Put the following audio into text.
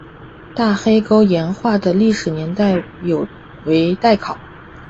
大黑沟岩画的历史年代为待考。